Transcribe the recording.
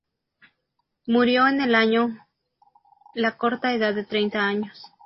Murió en el año la corta edad de treinta años.